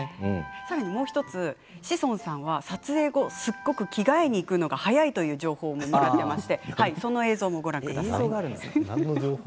さらにもう１つ志尊さんは撮影後すごく着替えに行くのが早いという情報もあります。